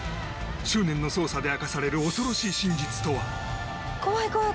執念の捜査で明かされる恐ろしい真実とは。